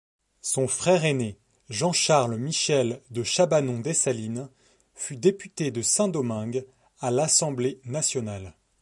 Son frère ainé, Jean-Charles-Michel de Chabanon Dessalines, fut député de Saint-Domingue à l’Assemblée nationale.